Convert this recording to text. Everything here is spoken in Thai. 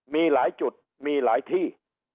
มีหลายจุดมีหลายที่